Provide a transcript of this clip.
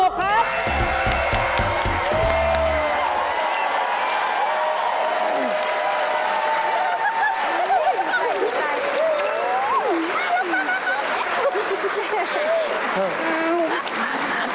ถูกครับ